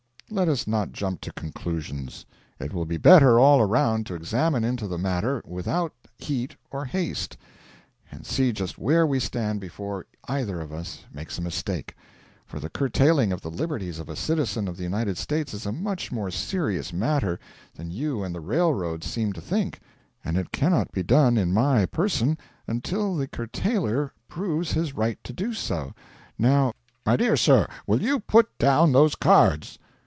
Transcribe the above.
'Let us not jump to conclusions. It will be better all around to examine into the matter without heat or haste, and see just where we stand before either of us makes a mistake for the curtailing of the liberties of a citizen of the United States is a much more serious matter than you and the railroads seem to think, and it cannot be done in my person until the curtailer proves his right to do so. Now ' 'My dear sir, will you put down those cards?'